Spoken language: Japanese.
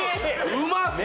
うまそう！